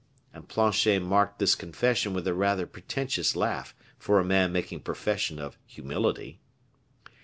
And Planchet marked this confession with a rather pretentious laugh for a man making profession of humility.